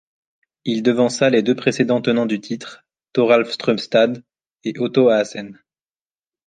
Il devança les deux précédents tenants du titre, Thoralf Strømstad & Otto Aasen.